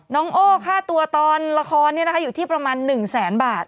น้องโอ้ค่าตัวตอนละครอยู่ที่ประมาณ๑แสนบาท